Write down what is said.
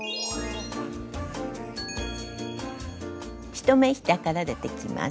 １目下から出てきます。